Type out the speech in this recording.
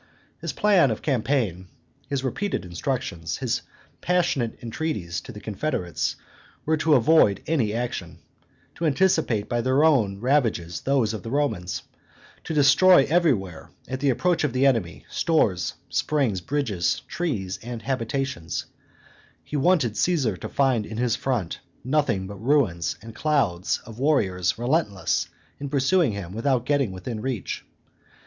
His plan of campaign, his repeated instructions, his passionate entreaties to the confederates were to avoid any general action, to anticipate by their own ravages those of the Romans, to destroy everywhere, at the approach of the enemy, stores, springs, bridges, trees, and habitations: he wanted Caesar to find in his front nothing but ruins and clouds of warriors relentless in pursuing him without getting within reach.